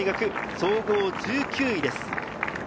総合１９位です。